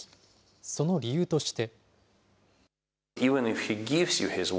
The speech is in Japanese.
その理由として。